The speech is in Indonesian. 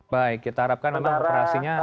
baik kita harapkan memang operasinya